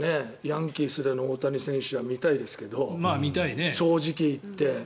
ヤンキースでの大谷選手は見たいですけど正直言って。